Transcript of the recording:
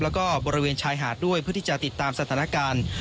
แล้วก็บริเวณชายหาดด้วยเพื่อที่จะติดตามสถานการณ์